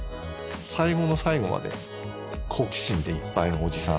最後の最後まで好奇心でいっぱいのおじさん